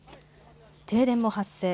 停電も発生。